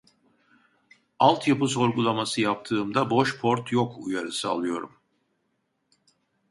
Altyapı sorgulama yaptığımda boş port yok uyarısı alıyorum